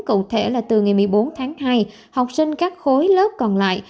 cụ thể là từ ngày một mươi bốn tháng hai học sinh các khối lớp còn lại